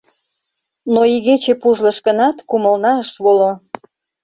Но игече пужлыш гынат, кумылна ыш воло.